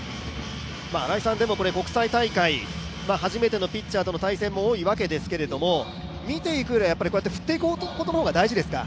国際大会、初めてのピッチャーとの対戦も多いわけですけども見ていくより振っていくことの方が大事ですか？